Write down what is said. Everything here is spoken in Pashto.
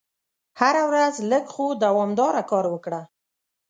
هره ورځ لږ خو دوامداره کار وکړه.